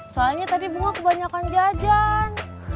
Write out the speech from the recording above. soalnya tadi bunga kebanyakan jajan